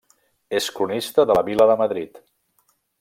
És cronista de la vila de Madrid.